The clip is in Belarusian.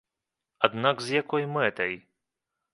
Аднак з якой мэтай?